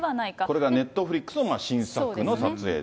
これがネットフリックスの新作の撮影で。